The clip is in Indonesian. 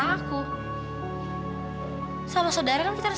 hai class odaranya nyanyikan